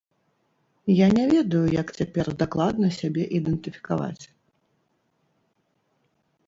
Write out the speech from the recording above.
Я не ведаю, як цяпер дакладна сябе ідэнтыфікаваць.